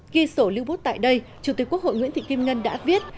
ghi sổ lưu bút tại đây chủ tịch quốc hội nguyễn thị kim ngân đã viết